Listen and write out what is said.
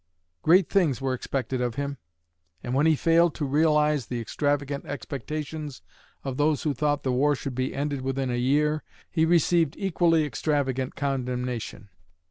Great things were expected of him; and when he failed to realize the extravagant expectations of those who thought the war should be ended within a year, he received equally extravagant condemnation.